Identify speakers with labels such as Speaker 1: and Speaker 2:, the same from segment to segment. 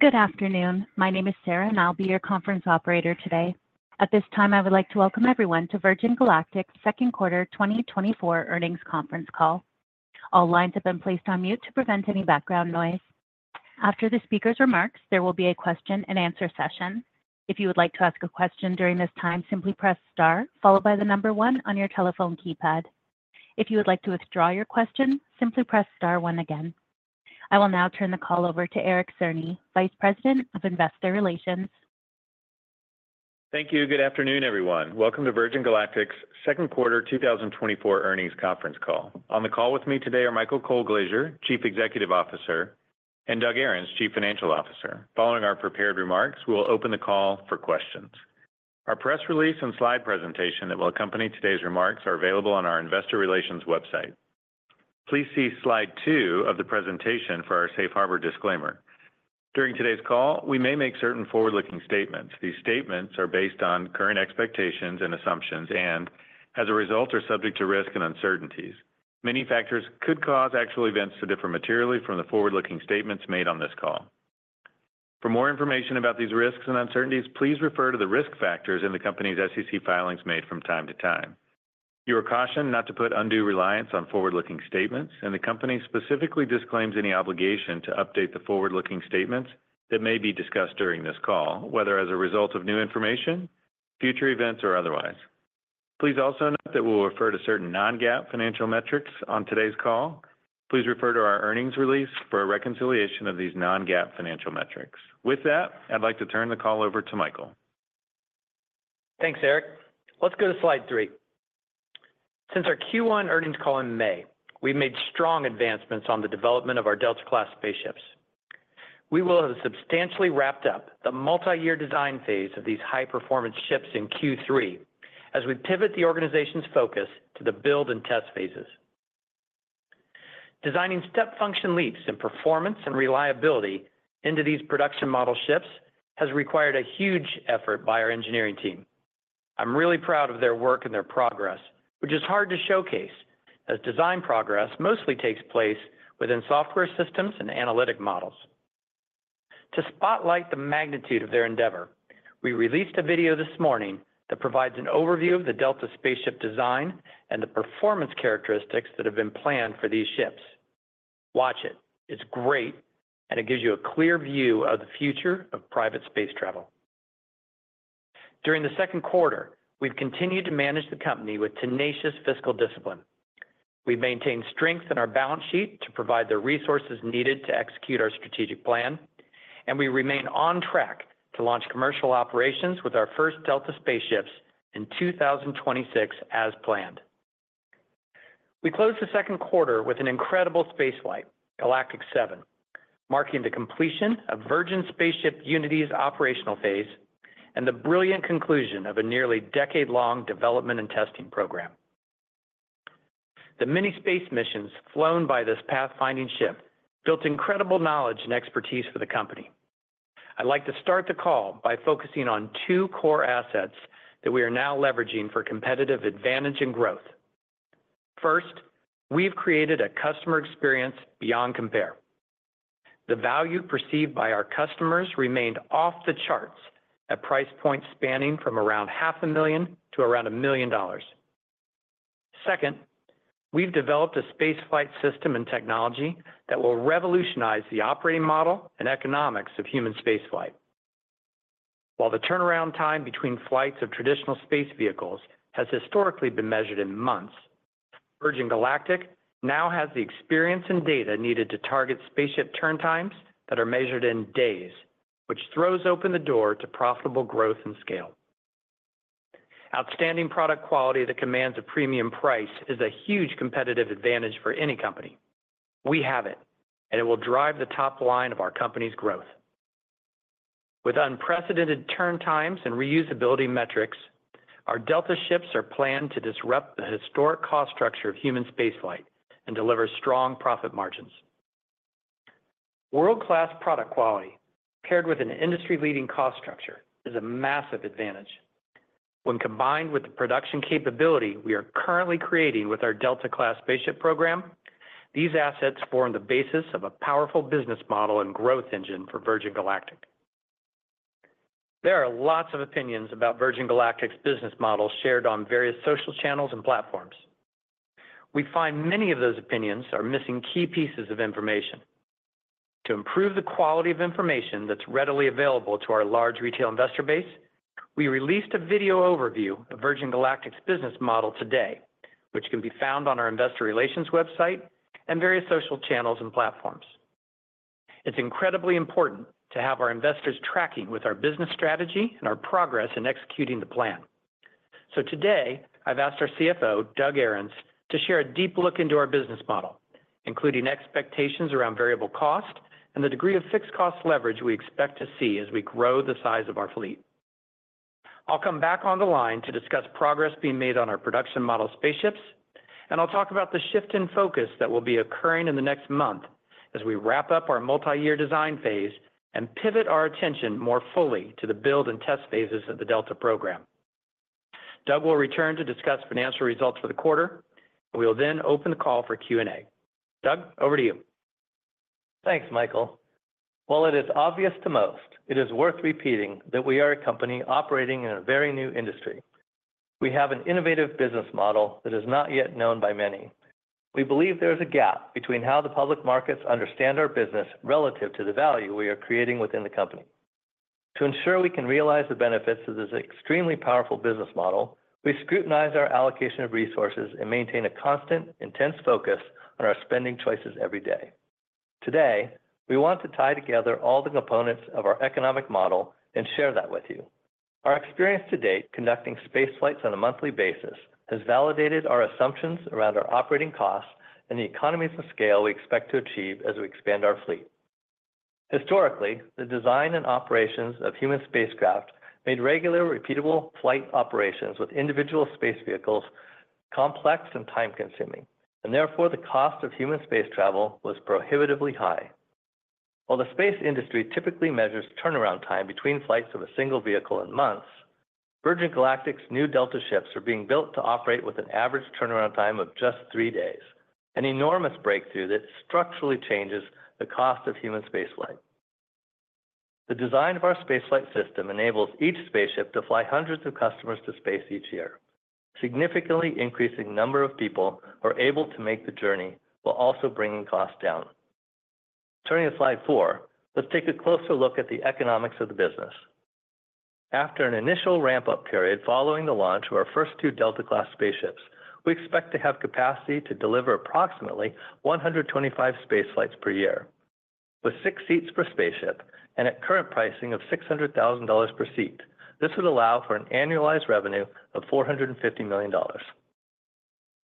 Speaker 1: Good afternoon. My name is Sarah, and I'll be your conference operator today. At this time, I would like to welcome everyone to Virgin Galactic's second quarter 2024 earnings conference call. All lines have been placed on mute to prevent any background noise. After the speaker's remarks, there will be a question and answer session. If you would like to ask a question during this time, simply press star, followed by the number one on your telephone keypad. If you would like to withdraw your question, simply press star one again. I will now turn the call over to Eric Cerny, Vice President of Investor Relations.
Speaker 2: Thank you. Good afternoon, everyone. Welcome to Virgin Galactic's second quarter 2024 earnings conference call. On the call with me today are Michael Colglazier, Chief Executive Officer, and Doug Ahrens, Chief Financial Officer. Following our prepared remarks, we will open the call for questions. Our press release and slide presentation that will accompany today's remarks are available on our investor relations website. Please see slide 2 of the presentation for our Safe Harbor disclaimer. During today's call, we may make certain forward-looking statements. These statements are based on current expectations and assumptions, and as a result, are subject to risk and uncertainties. Many factors could cause actual events to differ materially from the forward-looking statements made on this call. For more information about these risks and uncertainties, please refer to the risk factors in the company's SEC filings made from time to time. You are cautioned not to put undue reliance on forward-looking statements, and the company specifically disclaims any obligation to update the forward-looking statements that may be discussed during this call, whether as a result of new information, future events, or otherwise. Please also note that we'll refer to certain non-GAAP financial metrics on today's call. Please refer to our earnings release for a reconciliation of these non-GAAP financial metrics. With that, I'd like to turn the call over to Michael.
Speaker 3: Thanks, Eric. Let's go to slide three. Since our Q1 earnings call in May, we've made strong advancements on the development of our Delta Class spaceships. We will have substantially wrapped up the multi-year design phase of these high-performance ships in Q3 as we pivot the organization's focus to the build and test phases. Designing step function leaps in performance and reliability into these production model ships has required a huge effort by our engineering team. I'm really proud of their work and their progress, which is hard to showcase, as design progress mostly takes place within software systems and analytic models. To spotlight the magnitude of their endeavor, we released a video this morning that provides an overview of the Delta spaceship design and the performance characteristics that have been planned for these ships. Watch it. It's great, and it gives you a clear view of the future of private space travel. During the second quarter, we've continued to manage the company with tenacious fiscal discipline. We've maintained strength in our balance sheet to provide the resources needed to execute our strategic plan, and we remain on track to launch commercial operations with our first Delta spaceships in 2026 as planned. We closed the second quarter with an incredible space flight, Galactic 07, marking the completion of Virgin Spaceship Unity's operational phase and the brilliant conclusion of a nearly decade-long development and testing program. The many space missions flown by this pathfinding ship built incredible knowledge and expertise for the company. I'd like to start the call by focusing on two core assets that we are now leveraging for competitive advantage and growth. First, we've created a customer experience beyond compare. The value perceived by our customers remained off the charts at price points spanning from around $500,000 to around $1 million. Second, we've developed a space flight system and technology that will revolutionize the operating model and economics of human space flight. While the turnaround time between flights of traditional space vehicles has historically been measured in months, Virgin Galactic now has the experience and data needed to target spaceship turn times that are measured in days, which throws open the door to profitable growth and scale. Outstanding product quality that commands a premium price is a huge competitive advantage for any company. We have it, and it will drive the top line of our company's growth. With unprecedented turn times and reusability metrics, our Delta ships are planned to disrupt the historic cost structure of human spaceflight and deliver strong profit margins. World-class product quality, paired with an industry-leading cost structure, is a massive advantage. When combined with the production capability we are currently creating with our Delta Class spaceship program, these assets form the basis of a powerful business model and growth engine for Virgin Galactic. There are lots of opinions about Virgin Galactic's business model shared on various social channels and platforms. We find many of those opinions are missing key pieces of information. To improve the quality of information that's readily available to our large retail investor base, we released a video overview of Virgin Galactic's business model today, which can be found on our investor relations website and various social channels and platforms. It's incredibly important to have our investors tracking with our business strategy and our progress in executing the plan. Today, I've asked our CFO, Doug Ahrens, to share a deep look into our business model, including expectations around variable cost and the degree of fixed cost leverage we expect to see as we grow the size of our fleet. I'll come back on the line to discuss progress being made on our production model spaceships, and I'll talk about the shift in focus that will be occurring in the next month as we wrap up our multi-year design phase and pivot our attention more fully to the build and test phases of the Delta program.... Doug will return to discuss financial results for the quarter, and we will then open the call for Q&A. Doug, over to you.
Speaker 4: Thanks, Michael. While it is obvious to most, it is worth repeating that we are a company operating in a very new industry. We have an innovative business model that is not yet known by many. We believe there is a gap between how the public markets understand our business relative to the value we are creating within the company. To ensure we can realize the benefits of this extremely powerful business model, we scrutinize our allocation of resources and maintain a constant, intense focus on our spending choices every day. Today, we want to tie together all the components of our economic model and share that with you. Our experience to date, conducting space flights on a monthly basis, has validated our assumptions around our operating costs and the economies of scale we expect to achieve as we expand our fleet. Historically, the design and operations of human spacecraft made regular, repeatable flight operations with individual space vehicles complex and time-consuming, and therefore, the cost of human space travel was prohibitively high. While the space industry typically measures turnaround time between flights of a single vehicle in months, Virgin Galactic's new Delta ships are being built to operate with an average turnaround time of just three days, an enormous breakthrough that structurally changes the cost of human spaceflight. The design of our spaceflight system enables each spaceship to fly hundreds of customers to space each year, significantly increasing number of people who are able to make the journey while also bringing costs down. Turning to slide four, let's take a closer look at the economics of the business. After an initial ramp-up period following the launch of our first two Delta-class spaceships, we expect to have capacity to deliver approximately 125 space flights per year. With six seats per spaceship and at current pricing of $600,000 per seat, this would allow for an annualized revenue of $450 million.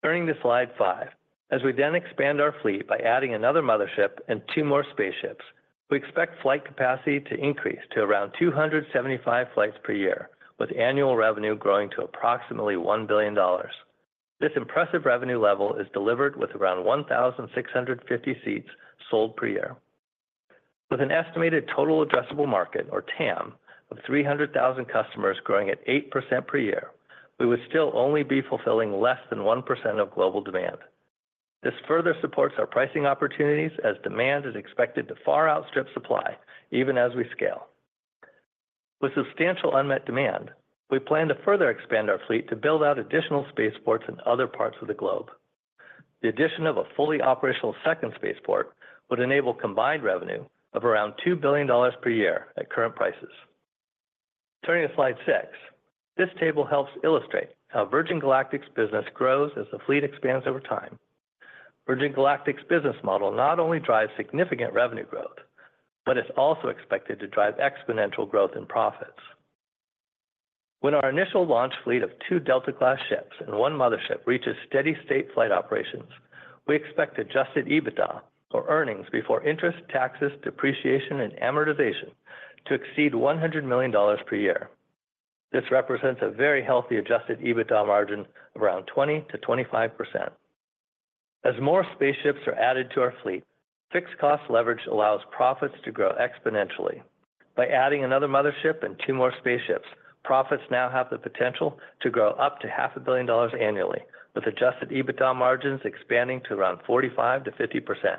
Speaker 4: Turning to slide 5, as we then expand our fleet by adding another mothership and two more spaceships, we expect flight capacity to increase to around 275 flights per year, with annual revenue growing to approximately $1 billion. This impressive revenue level is delivered with around 1,650 seats sold per year. With an estimated total addressable market, or TAM, of 300,000 customers growing at 8% per year, we would still only be fulfilling less than 1% of global demand. This further supports our pricing opportunities as demand is expected to far outstrip supply, even as we scale. With substantial unmet demand, we plan to further expand our fleet to build out additional spaceports in other parts of the globe. The addition of a fully operational second spaceport would enable combined revenue of around $2 billion per year at current prices. Turning to slide 6, this table helps illustrate how Virgin Galactic's business grows as the fleet expands over time. Virgin Galactic's business model not only drives significant revenue growth, but it's also expected to drive exponential growth in profits. When our initial launch fleet of 2 Delta-class ships and 1 mothership reaches steady state flight operations, we expect adjusted EBITDA, or earnings before interest, taxes, depreciation, and amortization, to exceed $100 million per year. This represents a very healthy adjusted EBITDA margin around 20%-25%. As more spaceships are added to our fleet, fixed cost leverage allows profits to grow exponentially. By adding another mothership and 2 more spaceships, profits now have the potential to grow up to $500 million annually, with adjusted EBITDA margins expanding to around 45%-50%.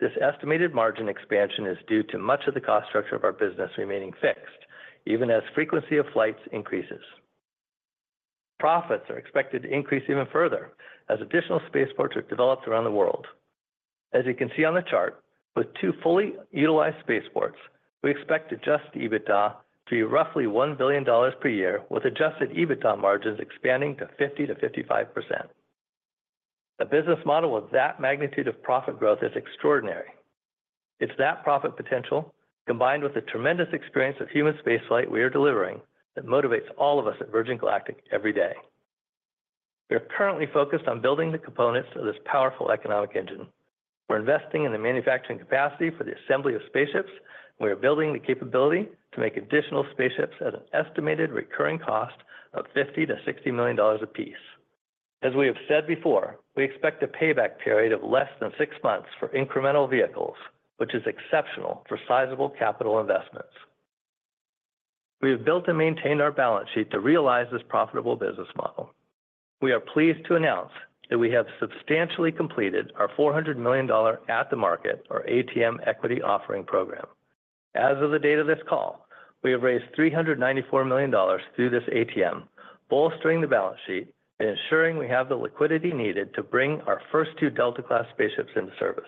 Speaker 4: This estimated margin expansion is due to much of the cost structure of our business remaining fixed, even as frequency of flights increases. Profits are expected to increase even further as additional spaceports are developed around the world. As you can see on the chart, with two fully utilized spaceports, we expect Adjusted EBITDA to be roughly $1 billion per year, with Adjusted EBITDA margins expanding to 50%-55%. A business model of that magnitude of profit growth is extraordinary. It's that profit potential, combined with the tremendous experience of human spaceflight we are delivering, that motivates all of us at Virgin Galactic every day. We are currently focused on building the components of this powerful economic engine. We're investing in the manufacturing capacity for the assembly of spaceships. We are building the capability to make additional spaceships at an estimated recurring cost of $50 million-$60 million apiece. As we have said before, we expect a payback period of less than 6 months for incremental vehicles, which is exceptional for sizable capital investments. We have built and maintained our balance sheet to realize this profitable business model. We are pleased to announce that we have substantially completed our $400 million at the market, or ATM, equity offering program. As of the date of this call, we have raised $394 million through this ATM, bolstering the balance sheet and ensuring we have the liquidity needed to bring our first two Delta-class spaceships into service.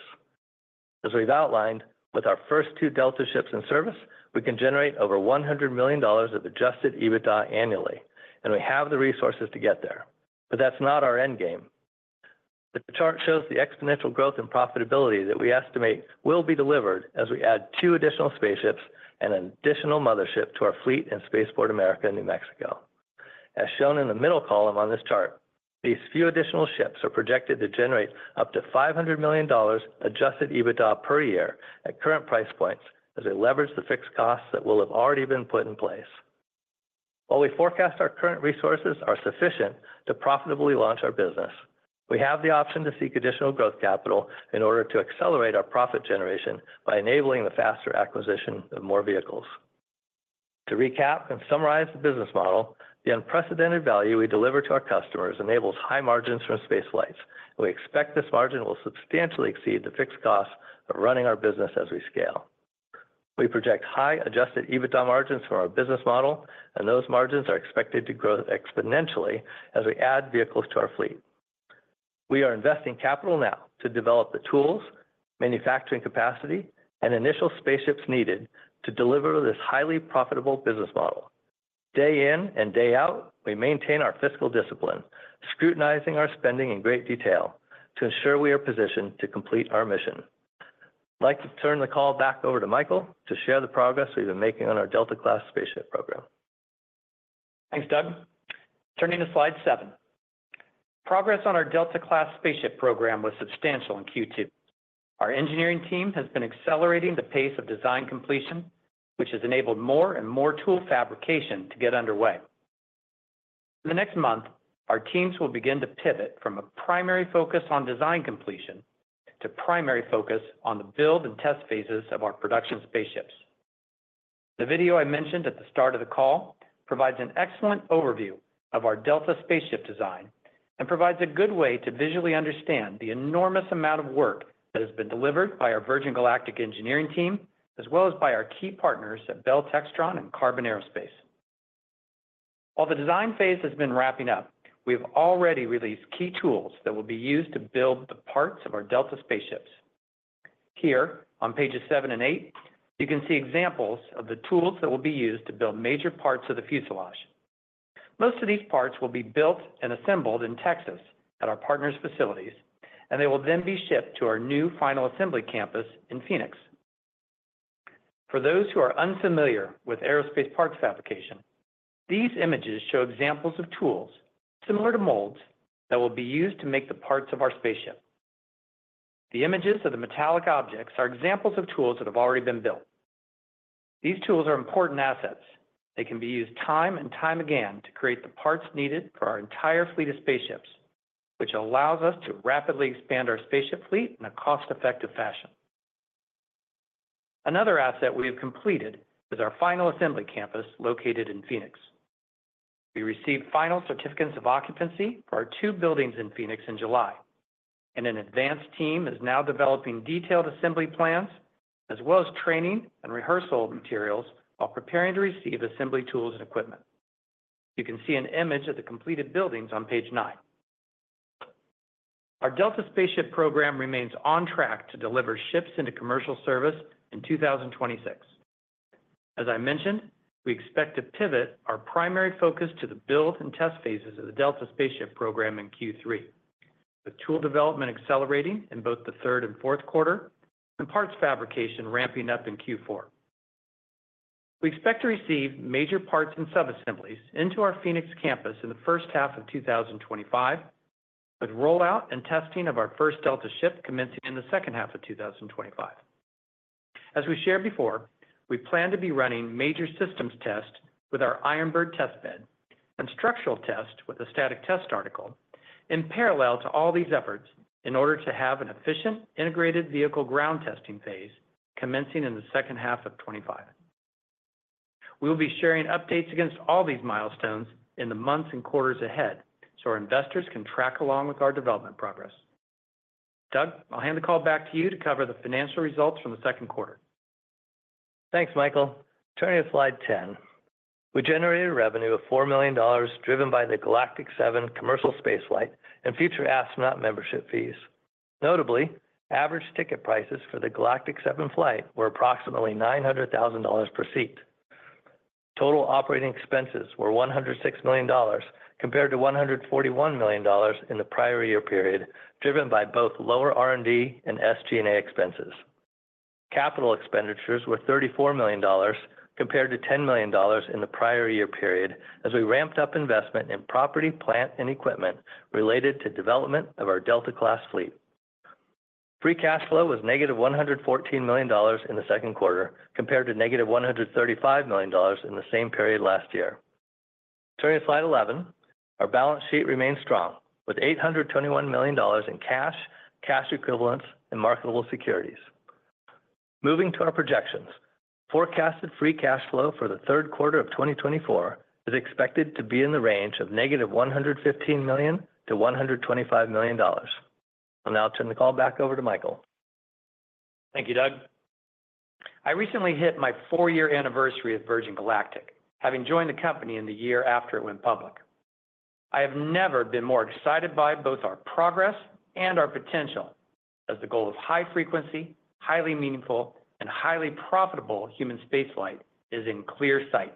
Speaker 4: As we've outlined, with our first two Delta ships in service, we can generate over $100 million of adjusted EBITDA annually, and we have the resources to get there, but that's not our end game. The chart shows the exponential growth and profitability that we estimate will be delivered as we add two additional spaceships and an additional mothership to our fleet in Spaceport America, New Mexico. As shown in the middle column on this chart, these few additional ships are projected to generate up to $500 million adjusted EBITDA per year at current price points, as they leverage the fixed costs that will have already been put in place. While we forecast our current resources are sufficient to profitably launch our business. We have the option to seek additional growth capital in order to accelerate our profit generation by enabling the faster acquisition of more vehicles. To recap and summarize the business model, the unprecedented value we deliver to our customers enables high margins from space flights. We expect this margin will substantially exceed the fixed costs of running our business as we scale. We project high adjusted EBITDA margins for our business model, and those margins are expected to grow exponentially as we add vehicles to our fleet. We are investing capital now to develop the tools, manufacturing capacity, and initial spaceships needed to deliver this highly profitable business model. Day in and day out, we maintain our fiscal discipline, scrutinizing our spending in great detail to ensure we are positioned to complete our mission. I'd like to turn the call back over to Michael to share the progress we've been making on our Delta-class spaceship program.
Speaker 3: Thanks, Doug. Turning to slide 7. Progress on our Delta-class spaceship program was substantial in Q2. Our engineering team has been accelerating the pace of design completion, which has enabled more and more tool fabrication to get underway. In the next month, our teams will begin to pivot from a primary focus on design completion to primary focus on the build and test phases of our production spaceships. The video I mentioned at the start of the call provides an excellent overview of our Delta spaceship design and provides a good way to visually understand the enormous amount of work that has been delivered by our Virgin Galactic engineering team, as well as by our key partners at Bell Textron and Qarbon Aerospace. While the design phase has been wrapping up, we've already released key tools that will be used to build the parts of our Delta spaceships. Here, on pages seven and eight, you can see examples of the tools that will be used to build major parts of the fuselage. Most of these parts will be built and assembled in Texas at our partner's facilities, and they will then be shipped to our new final assembly campus in Phoenix. For those who are unfamiliar with aerospace parts fabrication, these images show examples of tools, similar to molds, that will be used to make the parts of our spaceship. The images of the metallic objects are examples of tools that have already been built. These tools are important assets. They can be used time and time again to create the parts needed for our entire fleet of spaceships, which allows us to rapidly expand our spaceship fleet in a cost-effective fashion. Another asset we have completed is our final assembly campus, located in Phoenix. We received final certificates of occupancy for our two buildings in Phoenix in July, and an advanced team is now developing detailed assembly plans, as well as training and rehearsal materials, while preparing to receive assembly tools and equipment. You can see an image of the completed buildings on page 9. Our Delta spaceship program remains on track to deliver ships into commercial service in 2026. As I mentioned, we expect to pivot our primary focus to the build and test phases of the Delta spaceship program in Q3, with tool development accelerating in both the third and fourth quarter, and parts fabrication ramping up in Q4. We expect to receive major parts and subassemblies into our Phoenix campus in the first half of 2025, with rollout and testing of our first Delta ship commencing in the second half of 2025. As we shared before, we plan to be running major systems test with our Iron Bird test bed and structural test with a Static Test Article in parallel to all these efforts in order to have an efficient, integrated vehicle ground testing phase commencing in the second half of 2025. We will be sharing updates against all these milestones in the months and quarters ahead, so our investors can track along with our development progress. Doug, I'll hand the call back to you to cover the financial results from the second quarter.
Speaker 4: Thanks, Michael. Turning to slide 10. We generated revenue of $4 million, driven by the Galactic Seven commercial space flight and future astronaut membership fees. Notably, average ticket prices for the Galactic Seven flight were approximately $900,000 per seat. Total operating expenses were $106 million, compared to $141 million in the prior year period, driven by both lower R&D and SG&A expenses. Capital expenditures were $34 million, compared to $10 million in the prior year period, as we ramped up investment in property, plant, and equipment related to development of our Delta Class fleet. Free cash flow was negative $114 million in the second quarter, compared to negative $135 million in the same period last year. Turning to slide 11, our balance sheet remains strong, with $821 million in cash, cash equivalents, and marketable securities. Moving to our projections, forecasted free cash flow for the third quarter of 2024 is expected to be in the range of -$115 million to $125 million. I'll now turn the call back over to Michael.
Speaker 3: Thank you, Doug. I recently hit my four-year anniversary at Virgin Galactic, having joined the company in the year after it went public. I have never been more excited by both our progress and our potential, as the goal of high frequency, highly meaningful, and highly profitable human space flight is in clear sight.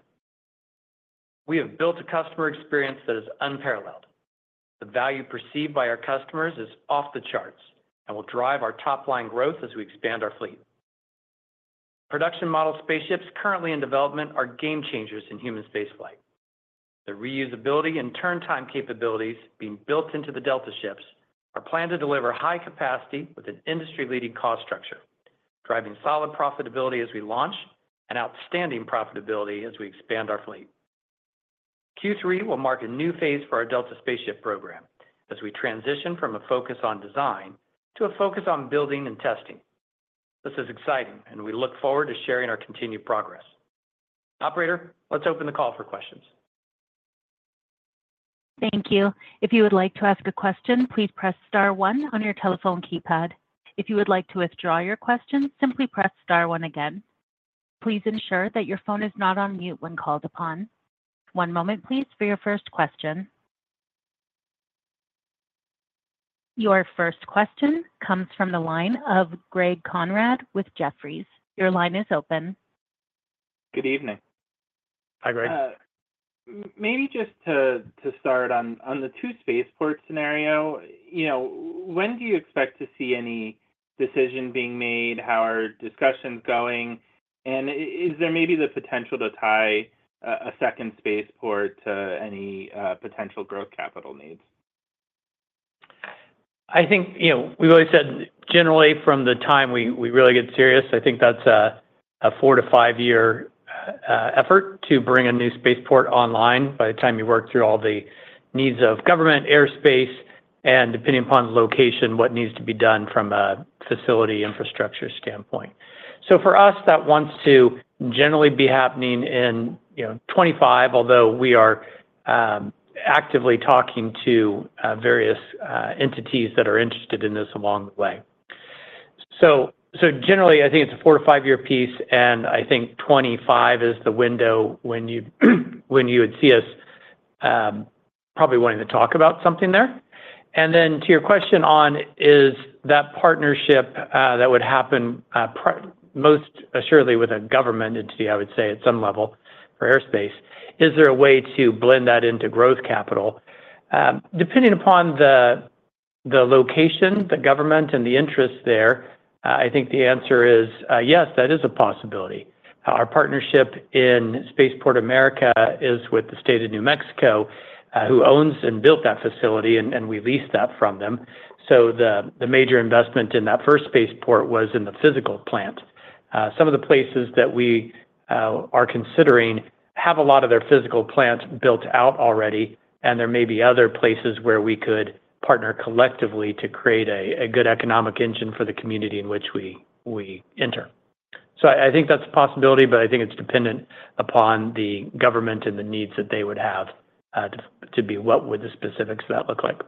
Speaker 3: We have built a customer experience that is unparalleled. The value perceived by our customers is off the charts and will drive our top-line growth as we expand our fleet. Production model spaceships currently in development are game changers in human space flight. The reusability and turn time capabilities being built into the Delta ships are planned to deliver high capacity with an industry-leading cost structure, driving solid profitability as we launch and outstanding profitability as we expand our fleet.... Q3 will mark a new phase for our Delta spaceship program, as we transition from a focus on design to a focus on building and testing. This is exciting, and we look forward to sharing our continued progress. Operator, let's open the call for questions.
Speaker 1: Thank you. If you would like to ask a question, please press star one on your telephone keypad. If you would like to withdraw your question, simply press star one again. Please ensure that your phone is not on mute when called upon. One moment, please, for your first question. Your first question comes from the line of Greg Konrad with Jefferies. Your line is open.
Speaker 5: Good evening.
Speaker 3: Hi, Greg.
Speaker 5: Maybe just to start on the two spaceport scenario, you know, when do you expect to see any decision being made? How are discussions going? And is there maybe the potential to tie a second spaceport to any potential growth capital needs?
Speaker 3: I think, you know, we've always said, generally, from the time we really get serious, I think that's a 4- to 5-year effort to bring a new spaceport online, by the time you work through all the needs of government, airspace, and depending upon the location, what needs to be done from a facility infrastructure standpoint. So for us, that wants to generally be happening in, you know, 2025, although we are actively talking to various entities that are interested in this along the way. So generally, I think it's a 4- to 5-year piece, and I think 2025 is the window when you would see us probably wanting to talk about something there. And then to your question on, is that partnership that would happen most assuredly with a government entity, I would say, at some level for airspace, is there a way to blend that into growth capital? Depending upon the location, the government, and the interest there, I think the answer is yes, that is a possibility. Our partnership in Spaceport America is with the state of New Mexico, who owns and built that facility, and we lease that from them. So the major investment in that first spaceport was in the physical plant. Some of the places that we are considering have a lot of their physical plants built out already, and there may be other places where we could partner collectively to create a good economic engine for the community in which we enter. So I, I think that's a possibility, but I think it's dependent upon the government and the needs that they would have, to be what would the specifics of that look like?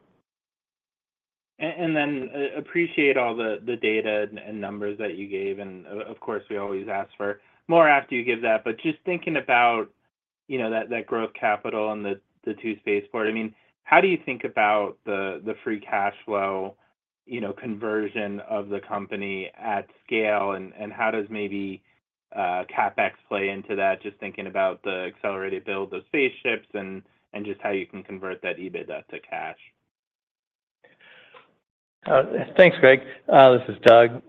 Speaker 5: And then, appreciate all the data and numbers that you gave, and of course, we always ask for more after you give that. But just thinking about, you know, that growth capital and the two spaceport, I mean, how do you think about the free cash flow, you know, conversion of the company at scale? And how does maybe CapEx play into that, just thinking about the accelerated build of spaceships and just how you can convert that EBITDA to cash?
Speaker 4: Thanks, Greg. This is Doug.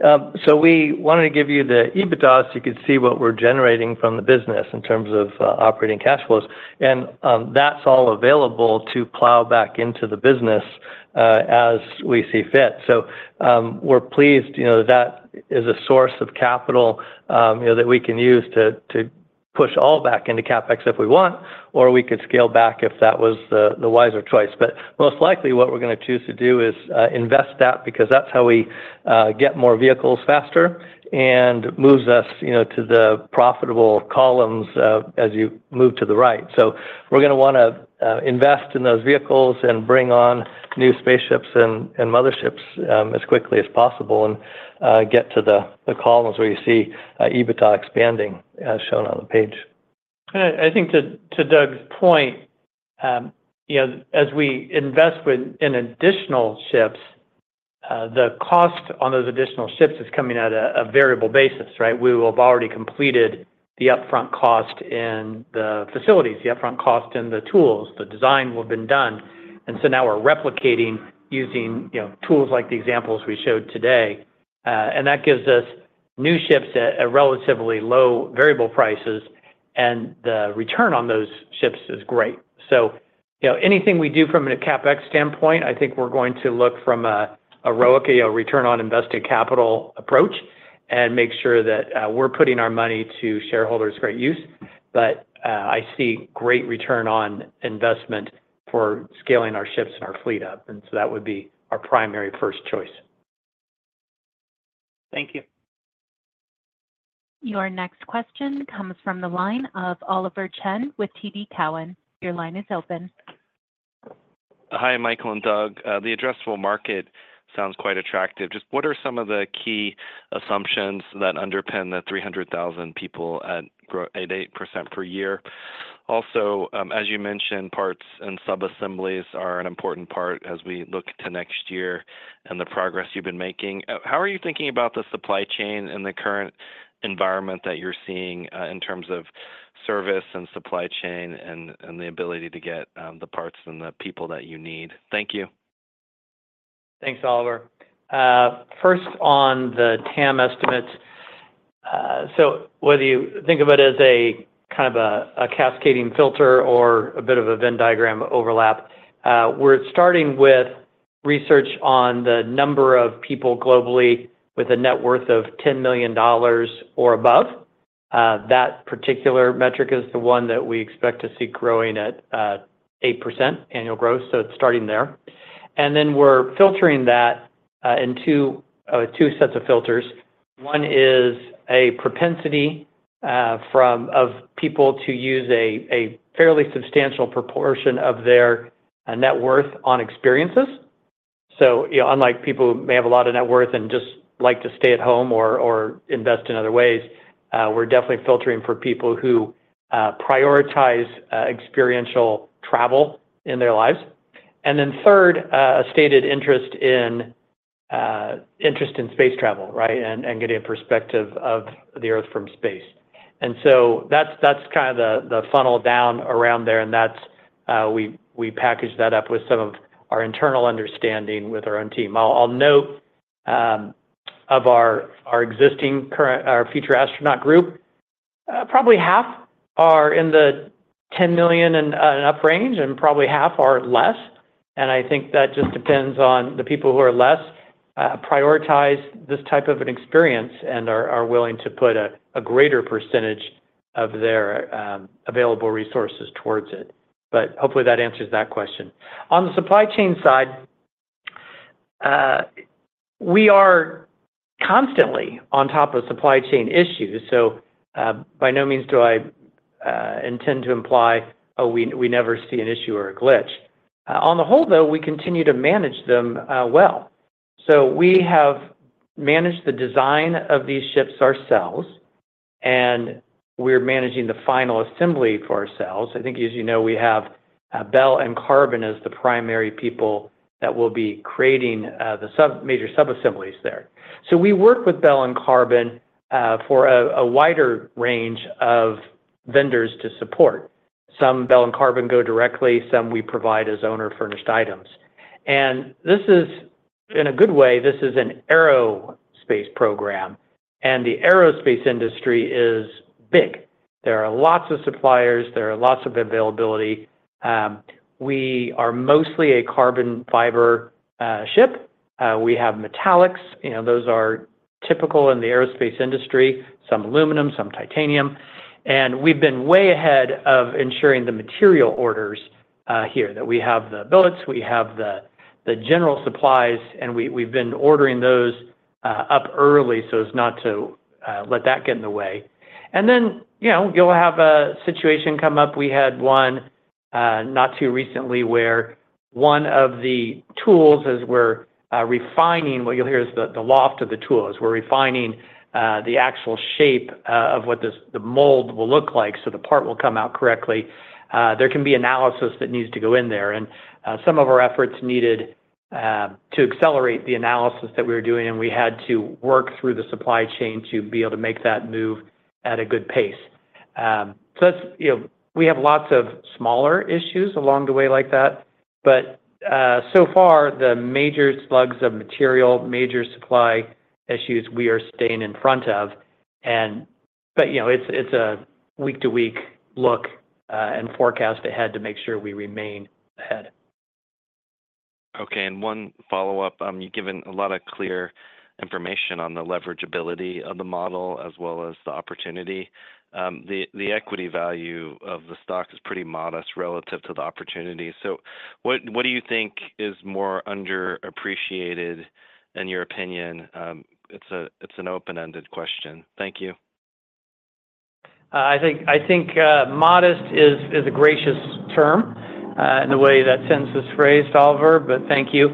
Speaker 4: So we wanted to give you the EBITDA so you could see what we're generating from the business in terms of operating cash flows, and that's all available to plow back into the business as we see fit. So we're pleased, you know, that is a source of capital, you know, that we can use to push all back into CapEx if we want, or we could scale back if that was the wiser choice. But most likely, what we're gonna choose to do is invest that because that's how we get more vehicles faster and moves us, you know, to the profitable columns as you move to the right. So we're gonna wanna invest in those vehicles and bring on new spaceships and motherships as quickly as possible and get to the columns where you see EBITDA expanding, as shown on the page.
Speaker 3: And I think to Doug's point, you know, as we invest within additional ships, the cost on those additional ships is coming at a variable basis, right? We will have already completed the upfront cost in the facilities, the upfront cost in the tools. The design will have been done. And so now we're replicating using, you know, tools like the examples we showed today, and that gives us new ships at a relatively low variable prices, and the return on those ships is great. So, you know, anything we do from a CapEx standpoint, I think we're going to look from a ROIC, a return on invested capital approach, and make sure that we're putting our money to shareholders' great use. I see great return on investment for scaling our ships and our fleet up, and so that would be our primary first choice.
Speaker 5: Thank you.
Speaker 1: Your next question comes from the line of Oliver Chen with TD Cowen. Your line is open.
Speaker 6: Hi, Michael and Doug. The addressable market sounds quite attractive. Just what are some of the key assumptions that underpin the 300,000 people at grow at 8% per year? Also, as you mentioned, parts and subassemblies are an important part as we look to next year and the progress you've been making. How are you thinking about the supply chain and the current environment that you're seeing, in terms of service and supply chain and the ability to get the parts and the people that you need? Thank you.
Speaker 3: Thanks, Oliver. First, on the TAM estimates, so whether you think of it as a kind of a cascading filter or a bit of a Venn diagram overlap, we're starting with research on the number of people globally with a net worth of $10 million or above. That particular metric is the one that we expect to see growing at 8% annual growth, so it's starting there. And then we're filtering that in two sets of filters. One is a propensity of people to use a fairly substantial proportion of their net worth on experiences. So, you know, unlike people who may have a lot of net worth and just like to stay at home or invest in other ways, we're definitely filtering for people who prioritize experiential travel in their lives. And then third, a stated interest in space travel, right? And getting a perspective of the Earth from space. And so that's kind of the funnel down around there, and that's, we package that up with some of our internal understanding with our own team. I'll note of our future astronaut group, probably half are in the $10 million and up range, and probably half are less. I think that just depends on the people who are less prioritize this type of an experience and are willing to put a greater percentage of their available resources towards it. But hopefully that answers that question. On the supply chain side, we are constantly on top of supply chain issues, so by no means do I intend to imply, oh, we never see an issue or a glitch. On the whole, though, we continue to manage them well. So we have managed the design of these ships ourselves, and we're managing the final assembly for ourselves. I think, as you know, we have Bell & Qarbon as the primary people that will be creating the major sub-assemblies there. So we work with Bell & Qarbon for a wider range of vendors to support. Some Bell & Qarbon go directly, some we provide as owner-furnished items. This is, in a good way, this is an aerospace program, and the aerospace industry is big. There are lots of suppliers, there are lots of availability. We are mostly a carbon fiber ship. We have metallics. You know, those are typical in the aerospace industry, some aluminum, some titanium. We've been way ahead of ensuring the material orders here, that we have the billets, we have the general supplies, and we've been ordering those up early, so as not to let that get in the way. Then, you know, you'll have a situation come up. We had one not too recently, where one of the tools, as we're refining... What you'll hear is the loft of the tool, as we're refining the actual shape of what the mold will look like, so the part will come out correctly. There can be analysis that needs to go in there, and some of our efforts needed to accelerate the analysis that we were doing, and we had to work through the supply chain to be able to make that move at a good pace. So that's, you know, we have lots of smaller issues along the way like that, but so far, the major slugs of material, major supply issues, we are staying in front of. You know, it's a week-to-week look and forecast ahead to make sure we remain ahead.
Speaker 6: Okay, and one follow-up. You've given a lot of clear information on the leveragability of the model, as well as the opportunity. The equity value of the stock is pretty modest relative to the opportunity. So what do you think is more underappreciated, in your opinion? It's an open-ended question. Thank you.
Speaker 3: I think modest is a gracious term in the way that sentence was phrased, Oliver, but thank you.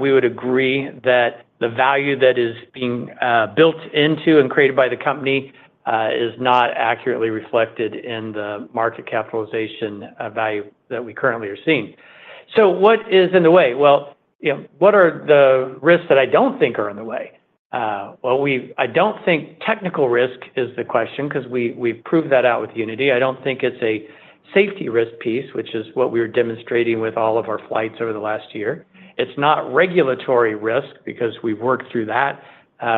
Speaker 3: We would agree that the value that is being built into and created by the company is not accurately reflected in the market capitalization value that we currently are seeing. So what is in the way? Well, you know, what are the risks that I don't think are in the way? Well, I don't think technical risk is the question, 'cause we've proved that out with Unity. I don't think it's a safety risk piece, which is what we're demonstrating with all of our flights over the last year. It's not regulatory risk, because we've worked through that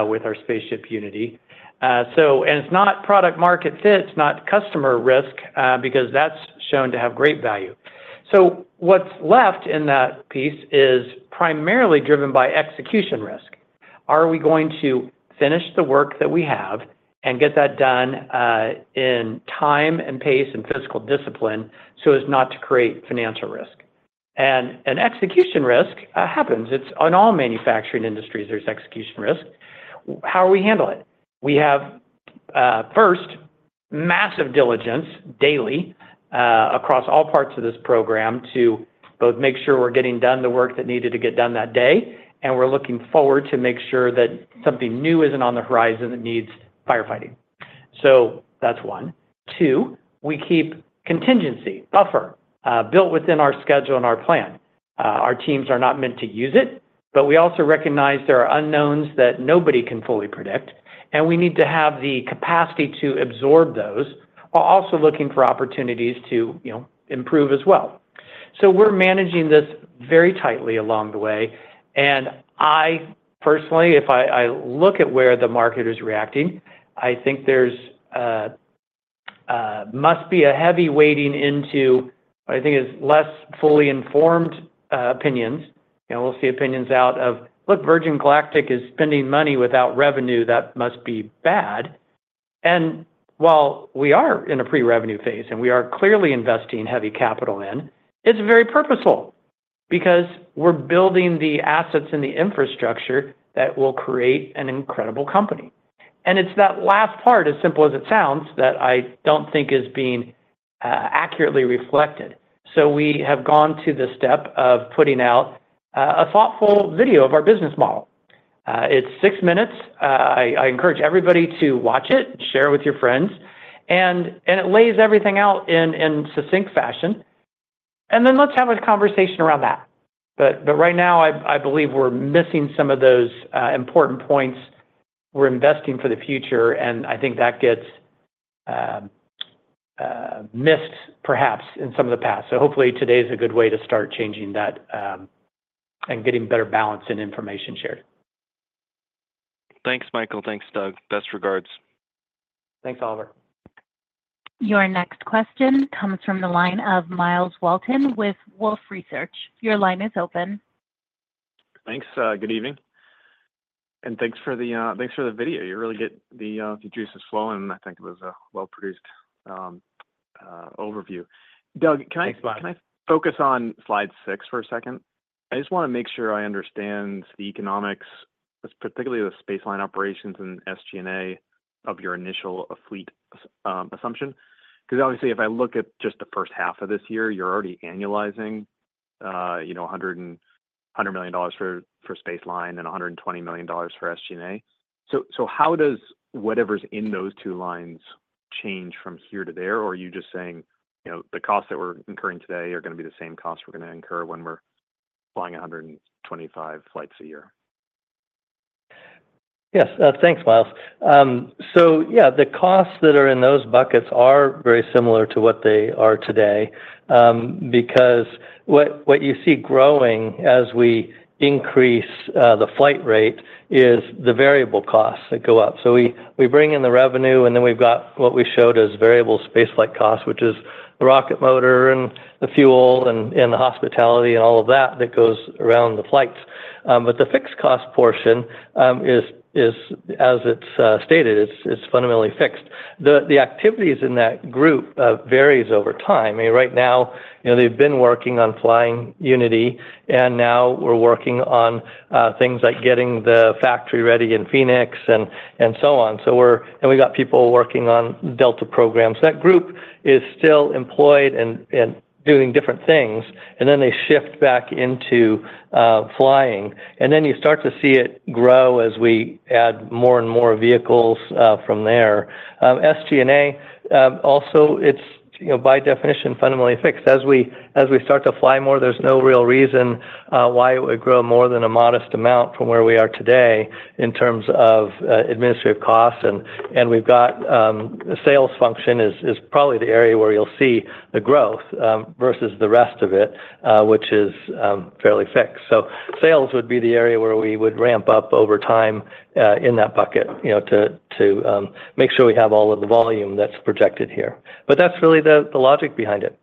Speaker 3: with our spaceship Unity. So and it's not product market fit, it's not customer risk, because that's shown to have great value. So what's left in that piece is primarily driven by execution risk. Are we going to finish the work that we have and get that done, in time and pace and physical discipline so as not to create financial risk? And an execution risk happens. It's on all manufacturing industries, there's execution risk. How we handle it? We have, first, massive diligence daily, across all parts of this program to both make sure we're getting done the work that needed to get done that day, and we're looking forward to make sure that something new isn't on the horizon that needs firefighting. So that's one. Two, we keep contingency, buffer, built within our schedule and our plan. Our teams are not meant to use it, but we also recognize there are unknowns that nobody can fully predict, and we need to have the capacity to absorb those, while also looking for opportunities to, you know, improve as well. So we're managing this very tightly along the way, and I personally, if I, I look at where the market is reacting, I think there's must be a heavy weighting into what I think is less fully informed opinions. You know, we'll see opinions out of, "Look, Virgin Galactic is spending money without revenue, that must be bad." And while we are in a pre-revenue phase, and we are clearly investing heavy capital in, it's very purposeful, because we're building the assets and the infrastructure that will create an incredible company. It's that last part, as simple as it sounds, that I don't think is being accurately reflected. So we have gone to the step of putting out a thoughtful video of our business model. It's six minutes. I encourage everybody to watch it, share with your friends, and it lays everything out in succinct fashion, and then let's have a conversation around that. But right now, I believe we're missing some of those important points. We're investing for the future, and I think that gets missed perhaps in some of the past. So hopefully today is a good way to start changing that and getting better balance and information shared.
Speaker 6: Thanks, Michael. Thanks, Doug. Best regards.
Speaker 3: Thanks, Oliver.
Speaker 1: Your next question comes from the line of Myles Walton with Wolfe Research. Your line is open.
Speaker 7: Thanks. Good evening, and thanks for the video. You really get the juices flowing, and I think it was a well-produced overview. Doug-
Speaker 3: Thanks, Miles.
Speaker 7: Can I focus on slide six for a second? I just wanna make sure I understand the economics, particularly the space line operations and SG&A of your initial fleet assumption. 'Cause obviously, if I look at just the first half of this year, you're already annualizing $100 million for space line and $120 million for SG&A. So how does whatever's in those two lines change from here to there? Or are you just saying, you know, the costs that we're incurring today are gonna be the same costs we're gonna incur when we're flying 125 flights a year?
Speaker 3: Yes. Thanks, Miles. So yeah, the costs that are in those buckets are very similar to what they are today. Because what you see growing as we increase the flight rate is the variable costs that go up. So we bring in the revenue, and then we've got what we showed as variable space flight costs, which is the rocket motor and the fuel and the hospitality and all of that that goes around the flights. But the fixed cost portion is, as it's stated, fundamentally fixed. The activities in that group varies over time. I mean, right now, you know, they've been working on flying Unity, and now we're working on things like getting the factory ready in Phoenix and so on. And we got people working on Delta programs. That group is still employed and doing different things, and then they shift back into flying, and then you start to see it grow as we add more and more vehicles from there. SG&A also, it's, you know, by definition, fundamentally fixed. As we start to fly more, there's no real reason why it would grow more than a modest amount from where we are today in terms of administrative costs. And we've got the sales function is probably the area where you'll see the growth versus the rest of it, which is fairly fixed. So sales would be the area where we would ramp up over time in that bucket, you know, to make sure we have all of the volume that's projected here. But that's really the logic behind it.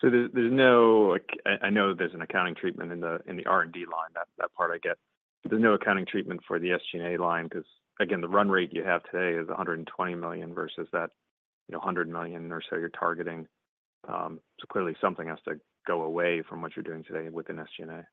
Speaker 7: So there's no accounting treatment in the R&D line. That part I get. There's no accounting treatment for the SG&A line, 'cause again, the run rate you have today is $120 million versus that, you know, $100 million or so you're targeting. So clearly, something has to go away from what you're doing today within SG&A.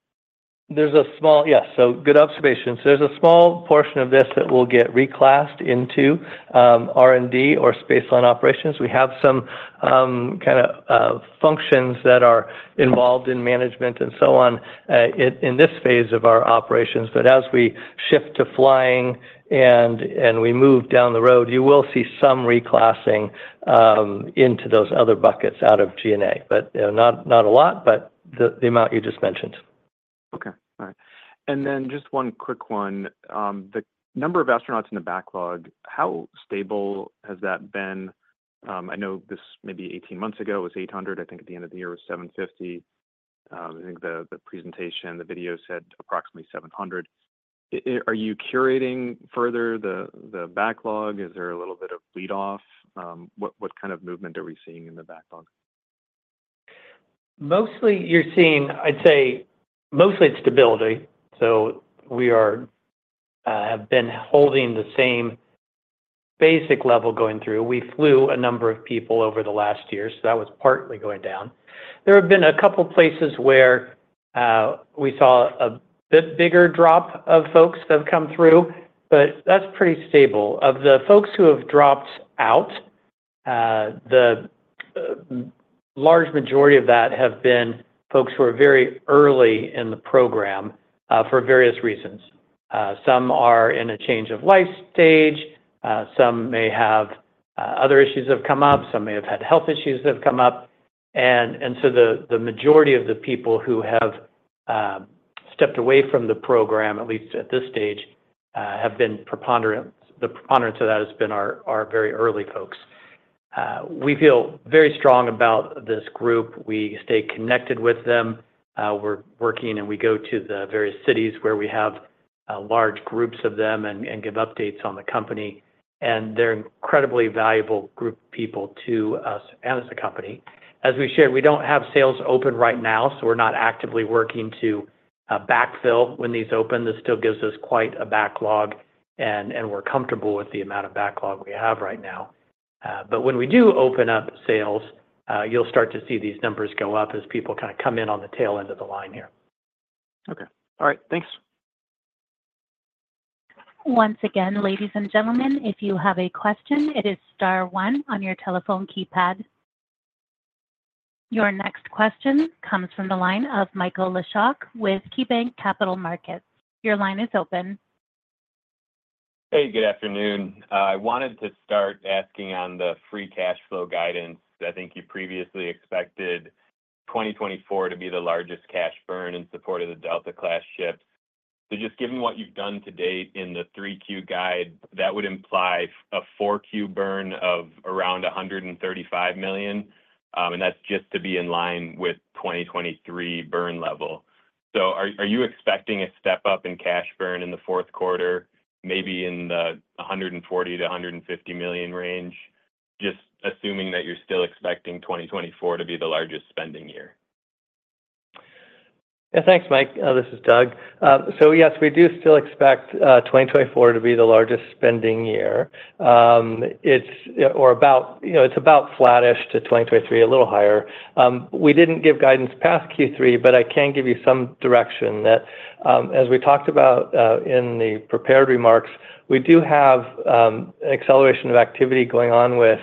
Speaker 3: There's a small... Yes, so good observation. So there's a small portion of this that will get reclassed into R&D or space line operations. We have some kinda functions that are involved in management and so on in this phase of our operations. But as we shift to flying and we move down the road, you will see some reclassing into those other buckets out of G&A. But not a lot, but the amount you just mentioned.
Speaker 7: Okay. All right. And then just one quick one. The number of astronauts in the backlog, how stable has that been? I know this, maybe 18 months ago, it was 800. I think at the end of the year, it was 750. I think the presentation, the video said approximately 700. Are you curating further the backlog? Is there a little bit of lead-off? What kind of movement are we seeing in the backlog?
Speaker 3: Mostly, you're seeing, I'd say, mostly it's stability. So we are, have been holding the same basic level going through. We flew a number of people over the last year, so that was partly going down. There have been a couple places where we saw a bit bigger drop of folks that have come through, but that's pretty stable. Of the folks who have dropped out, the large majority of that have been folks who are very early in the program, for various reasons. Some are in a change of life stage, some may have other issues have come up, some may have had health issues that have come up, and so the majority of the people who have stepped away from the program, at least at this stage, have been preponderance. The preponderance of that has been our, our very early folks. We feel very strong about this group. We stay connected with them. We're working, and we go to the various cities where we have large groups of them and give updates on the company, and they're incredibly valuable group of people to us and as a company. As we shared, we don't have sales open right now, so we're not actively working to backfill when these open. This still gives us quite a backlog, and, and we're comfortable with the amount of backlog we have right now. But when we do open up sales, you'll start to see these numbers go up as people kind of come in on the tail end of the line here.
Speaker 6: Okay. All right, thanks.
Speaker 1: Once again, ladies and gentlemen, if you have a question, it is star one on your telephone keypad. Your next question comes from the line of Michael Leshock with KeyBanc Capital Markets. Your line is open.
Speaker 8: Hey, good afternoon. I wanted to start asking on the free cash flow guidance. I think you previously expected 2024 to be the largest cash burn in support of the Delta Class ship. So just given what you've done to date in the 3Q guide, that would imply a 4Q burn of around $135 million, and that's just to be in line with 2023 burn level. So are you expecting a step-up in cash burn in the fourth quarter, maybe in the $140 million-$150 million range? Just assuming that you're still expecting 2024 to be the largest spending year.
Speaker 3: Yeah. Thanks, Mike. This is Doug. So yes, we do still expect 2024 to be the largest spending year. It's-- or about, you know, it's about flattish to 2023, a little higher. We didn't give guidance past Q3, but I can give you some direction that, as we talked about, in the prepared remarks, we do have an acceleration of activity going on with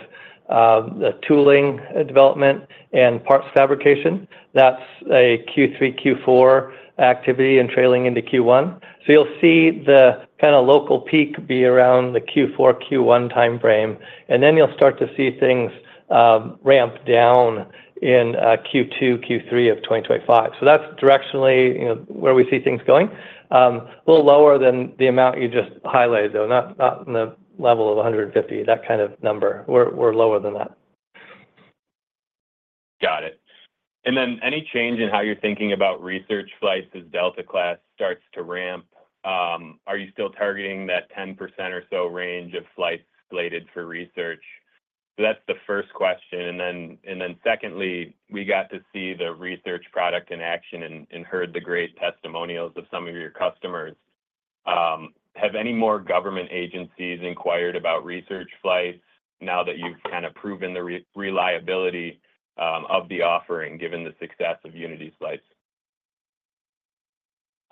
Speaker 3: the tooling development and parts fabrication. That's a Q3, Q4 activity and trailing into Q1. So you'll see the kinda local peak be around the Q4, Q1 time frame, and then you'll see things ramp down in Q2, Q3 of 2025. So that's directionally, you know, where we see things going. A little lower than the amount you just highlighted, though, not, not in the level of 150, that kind of number. We're, we're lower than that.
Speaker 8: Got it. And then any change in how you're thinking about research flights as Delta Class starts to ramp? Are you still targeting that 10% or so range of flights slated for research? So that's the first question. And then secondly, we got to see the research product in action and heard the great testimonials of some of your customers. Have any more government agencies inquired about research flights now that you've kind of proven the reliability of the offering, given the success of Unity flights?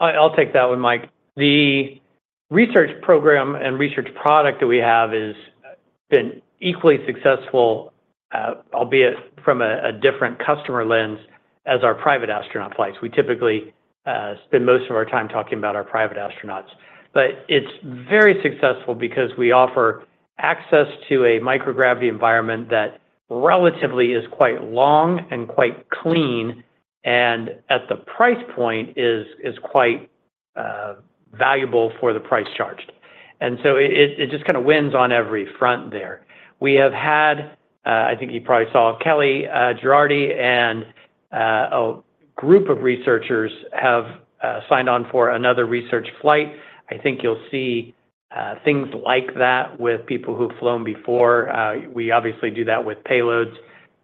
Speaker 3: I'll take that one, Mike. The research program and research product that we have is been equally successful, albeit from a different customer lens as our private astronaut flights. We typically spend most of our time talking about our private astronauts. But it's very successful because we offer access to a microgravity environment that relatively is quite long and quite clean, and at the price point is quite valuable for the price charged. And so it just kinda wins on every front there. We have had I think you probably saw Kellie Gerardi and a group of researchers have signed on for another research flight. I think you'll see things like that with people who've flown before. We obviously do that with payloads.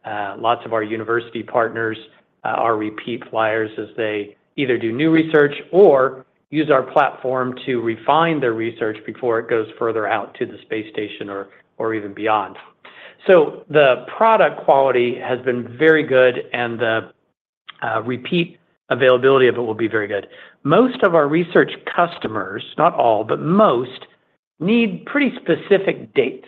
Speaker 3: Lots of our university partners are repeat flyers as they either do new research or use our platform to refine their research before it goes further out to the space station or, or even beyond. So the product quality has been very good, and the repeat availability of it will be very good. Most of our research customers, not all, but most, need pretty specific dates.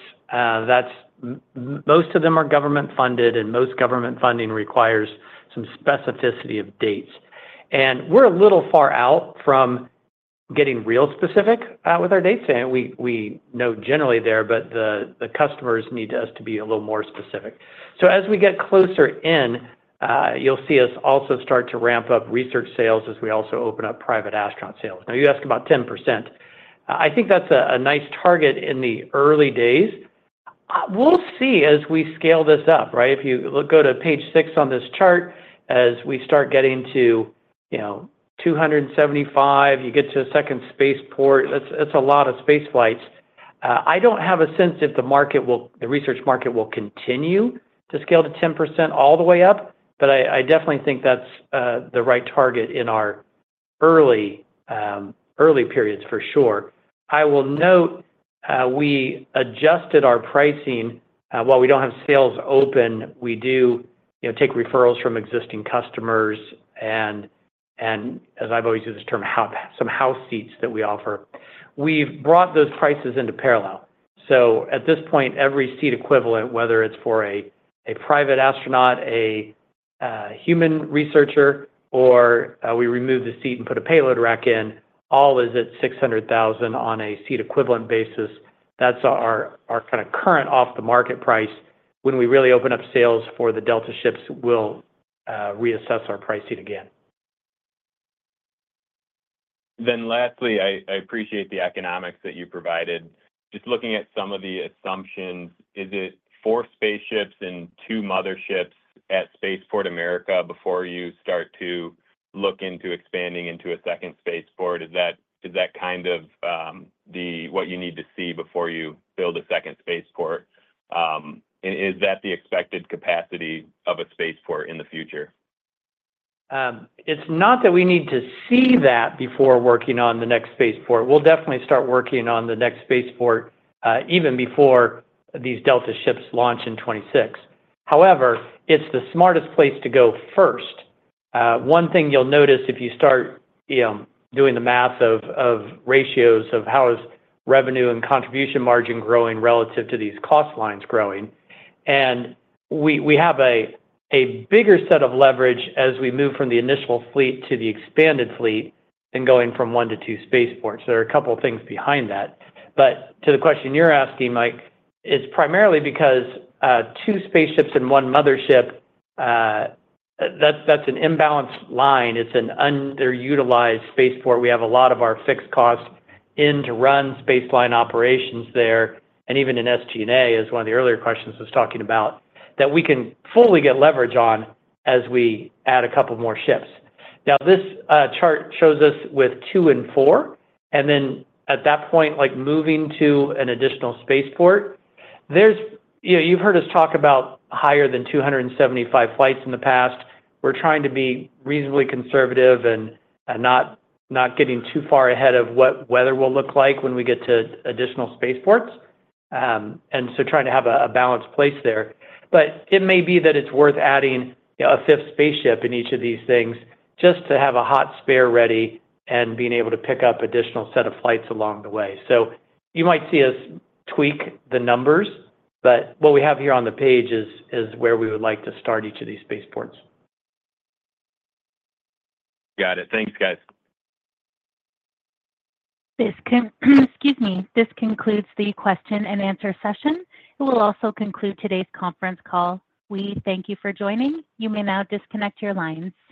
Speaker 3: Most of them are government-funded, and most government funding requires some specificity of dates. And we're a little far out from getting real specific with our dates, and we know generally there, but the customers need us to be a little more specific. So as we get closer in, you'll see us also start to ramp up research sales as we also open up private astronaut sales. Now, you asked about 10%. I think that's a nice target in the early days. We'll see as we scale this up, right? If you go to page six on this chart, as we start getting to, you know, 275, you get to a second spaceport, that's a lot of space flights. I don't have a sense if the research market will continue to scale to 10% all the way up, but I definitely think that's the right target in our early periods, for sure. I will note, we adjusted our pricing. While we don't have sales open, we do, you know, take referrals from existing customers, and as I've always used this term, some house seats that we offer. We've brought those prices into parallel. At this point, every seat equivalent, whether it's for a private astronaut, a human researcher, or we remove the seat and put a payload rack in, all is at $600,000 on a seat equivalent basis. That's our kinda current off-the-market price. When we really open up sales for the Delta ships, we'll reassess our pricing again....
Speaker 8: Then lastly, I appreciate the economics that you provided. Just looking at some of the assumptions, is it 4 spaceships and 2 motherships at Spaceport America before you start to look into expanding into a second spaceport? Is that kind of the what you need to see before you build a second spaceport? And is that the expected capacity of a spaceport in the future?
Speaker 3: It's not that we need to see that before working on the next spaceport. We'll definitely start working on the next spaceport even before these Delta ships launch in 2026. However, it's the smartest place to go first. One thing you'll notice if you start, you know, doing the math of ratios of how is revenue and contribution margin growing relative to these cost lines growing, and we have a bigger set of leverage as we move from the initial fleet to the expanded fleet than going from one to two spaceports. There are a couple of things behind that, but to the question you're asking, Mike, it's primarily because two spaceships and one mothership, that's an imbalanced line. It's an underutilized spaceport. We have a lot of our fixed costs in to run spaceflight operations there, and even in SG&A, as one of the earlier questions was talking about, that we can fully get leverage on as we add a couple more ships. Now, this chart shows us with 2 and 4, and then at that point, like, moving to an additional spaceport. There's... You know, you've heard us talk about higher than 275 flights in the past. We're trying to be reasonably conservative and, and not, not getting too far ahead of what weather will look like when we get to additional spaceports, and so trying to have a, a balanced place there. But it may be that it's worth adding, you know, a fifth spaceship in each of these things, just to have a hot spare ready and being able to pick up additional set of flights along the way. So you might see us tweak the numbers, but what we have here on the page is where we would like to start each of these spaceports.
Speaker 8: Got it. Thanks, guys.
Speaker 1: Excuse me. This concludes the question and answer session. It will also conclude today's conference call. We thank you for joining. You may now disconnect your lines.